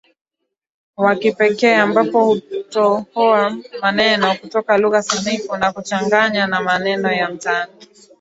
wa kipekee ambapo hutohoa maneno kutoka lugha sanifu na kuchanganya na maneno ya mtaani